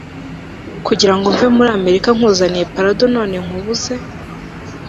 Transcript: kugirango mve muri american nkuzaniye parado none nkubuze